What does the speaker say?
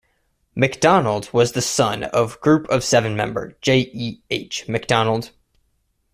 MacDonald was the son of Group of Seven member J. E. H. MacDonald.